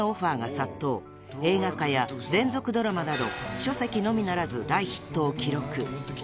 ［映画化や連続ドラマなど書籍のみならず大ヒットを記録］